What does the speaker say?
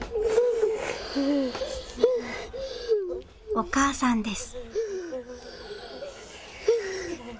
お母さんです。